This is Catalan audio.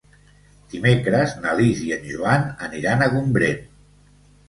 Dimecres na Lis i en Joan aniran a Gombrèn.